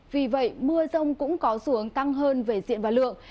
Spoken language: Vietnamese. vì vậy mưa rông cũng có xuống tăng hơn về diện và lượng